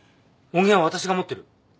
音源は私が持ってる。